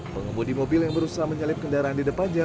pengemudi mobil yang berusaha menyalip kendaraan di depannya